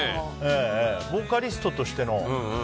ボーカリストとしての。